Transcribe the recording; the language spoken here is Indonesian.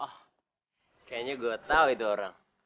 oh kayaknya gue tau itu orang